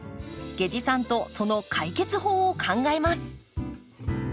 下司さんとその解決法を考えます。